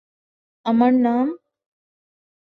আমার নাম?